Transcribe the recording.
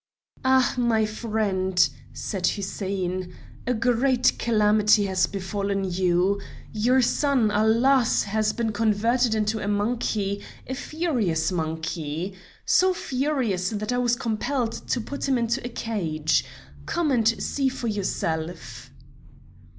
"Ah, my friend," said Hussein, "a great calamity has befallen you! Your son, alas! has been converted into a monkey, a furious monkey! So furious that I was compelled to put him into a cage. Come and see for yourself."